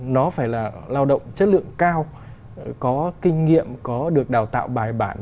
nó phải là lao động chất lượng cao có kinh nghiệm có được đào tạo bài bản